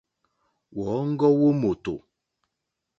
Wɔ̌ŋɡɔ́ wó mòtò.